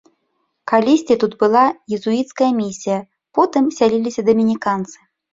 Калісьці тут была езуіцкая місія, потым сяліліся дамініканцы.